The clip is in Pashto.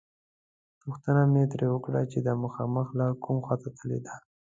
پوښتنه مې ترې وکړه چې دا مخامخ لاره کومې خواته تللې ده.